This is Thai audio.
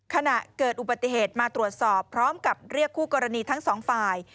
ขณะเกิดอุบัติเหตุมาตรวจสอบพร้อมกับเรียกคู่กรณีทั้งสองฝ่าย